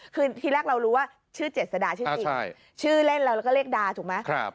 คือที่แรกเรารู้ว่าชื่อเจษดาชื่อจริงชื่อเล่นเราแล้วก็เลขดาถูกไหม